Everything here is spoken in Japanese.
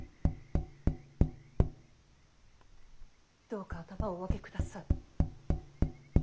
どうか頭をお上げください。